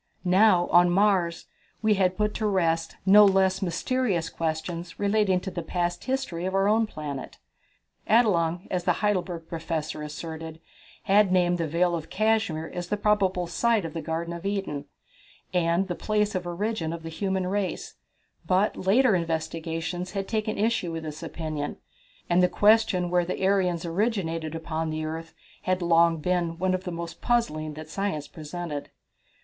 Now, on Mars, we had put to rest no less mysterious questions relating to the past history of our own planet. Adelung, as the Heidelberg Professor asserted, had named the Vale of Cashmere as the probable site of the Garden of Eden, and the place of origin of the human race, but later investigators had taken issue with this opinion, and the question where the Aryans originated upon the earth had long been one of the most puzzling that science presented.